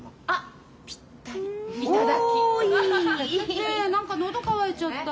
ねえ何か喉渇いちゃった。